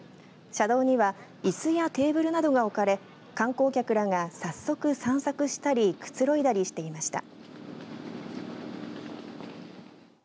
車道にはいすやテーブルなどが置かれ観光客らが早速、散策したりくつろいだりしていました。